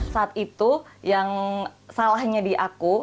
saat itu yang salahnya di aku